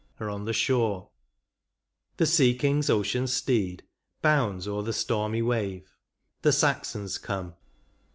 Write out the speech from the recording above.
Are on the shore ; the sea king's ocean steed Bounds o'er the stormy wave ; the Saxons come.